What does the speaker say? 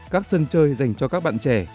các sân chơi dành cho các bạn trẻ